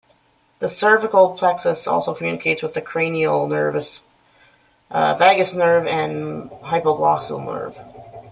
The cervical plexus also communicates with the cranial nerves vagus nerve and hypoglossal nerve.